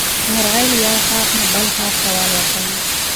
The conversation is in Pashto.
مرغۍ له یو ښاخ نه بل ته والوتله.